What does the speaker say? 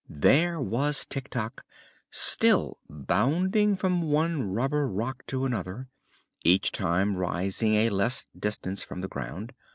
There was Tik Tok, still bounding from one rubber rock to another, each time rising a less distance from the ground.